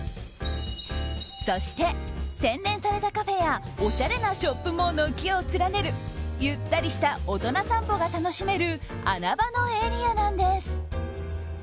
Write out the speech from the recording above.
そして、洗練されたカフェやおしゃれなショップも軒を連ねるゆったりした大人散歩が楽しめる穴場のエリアなんです。